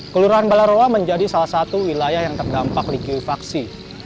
kelurahan balai roa menjadi salah satu wilayah yang terdampak liku vaksin